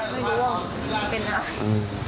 แต่ก็ไม่รู้ว่าหนูเป็นอะไร